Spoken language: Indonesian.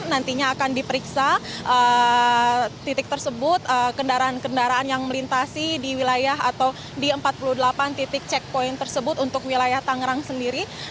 nantinya akan diperiksa titik tersebut kendaraan kendaraan yang melintasi di wilayah atau di empat puluh delapan titik checkpoint tersebut untuk wilayah tangerang sendiri